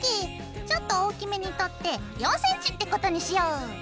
ちょっと大きめにとって４ｃｍってことにしよう。